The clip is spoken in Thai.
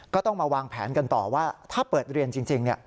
ก็ต้องมาวางแผนกันต่อว่าถ้าเปิดเรียนจริง